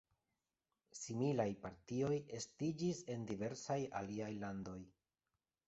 Similaj partioj estiĝis en diversaj aliaj landoj.